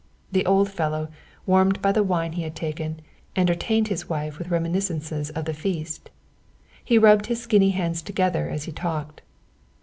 The old fellow, warmed by the wine he had taken, entertained his wife with reminiscences of the feast. He rubbed his skinny hands together as he talked.